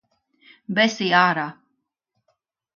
Besī ārā.